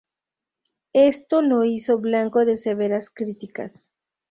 Esto lo hizo blanco de severas críticas.